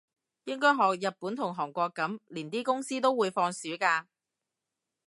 應該學日本同韓國噉，連啲公司都會放暑假